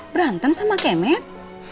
berantem sama kemet